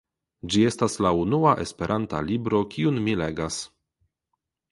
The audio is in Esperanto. Ĝi estas la unua esperanta libro kiun mi legas.